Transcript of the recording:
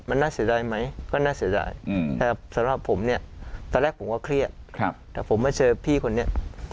มันน่าเสียดายไหมก็น่าเสียดายแต่สำหรับผมเนี่ยตอนแรกผมก็เครียดแต่ผมมาเจอพี่คนนี้